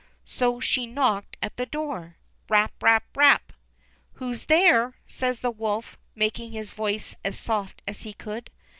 So she knocked at the door. Rap ! Rap ! Rap ! "Who's there.?" says the wolf, making his voice as soft as he could.